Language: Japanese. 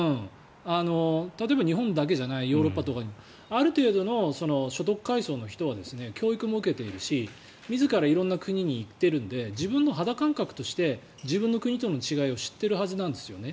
例えば日本だけじゃないヨーロッパとかにもある程度の所得階層の人は教育も受けているし自ら色んな国に行っているので自分の肌感覚として自分の国との違いを知っているはずなんですよね。